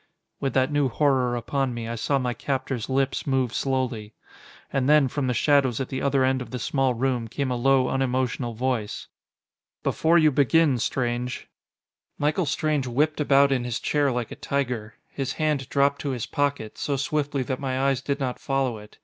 With that new horror upon me, I saw my captor's lips move slowly.... And then, from the shadows at the other end of the small room, came a low, unemotional voice. "Before you begin, Strange " Michael Strange whipped about in his chair like a tiger. His hand dropped to his pocket, so swiftly that my eyes did not follow it.